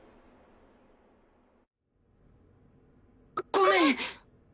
ごめん！